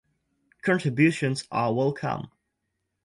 Contributions are welcome